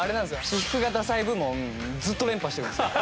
私服がダサい部門ずっと連覇してるんですよ。